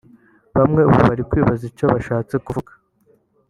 Bamwe ubu bari kwibaza icyo bishatse kuvuga